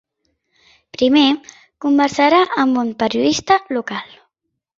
Primer, conversarà amb un periodista local.